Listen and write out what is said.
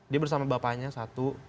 dia bersama bapaknya satu